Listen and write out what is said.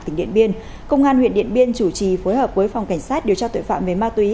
tỉnh điện biên công an huyện điện biên chủ trì phối hợp với phòng cảnh sát điều tra tội phạm về ma túy